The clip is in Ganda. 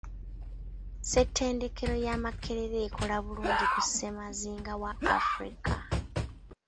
Ssettendekero ya Makerere ekola bulungi ku ssemazinga wa Africa.